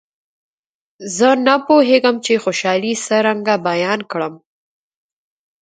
زه نه پوهېږم چې خوشالي څرنګه بیان کړم.